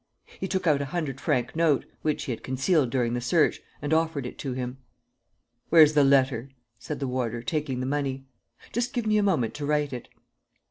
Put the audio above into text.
He took out a hundred franc note, which he had concealed during the search, and offered it to him. "Where's the letter?" said the warder, taking the money. "Just give me a moment to write it."